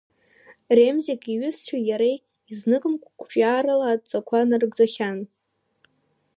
Ремзик иҩызцәеи иареи изныкымкәа қәҿиарала адҵақәа нарыгӡахьан.